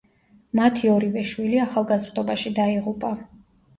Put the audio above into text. მათი ორივე შვილი ახალგაზრდობაში დაიღუპა.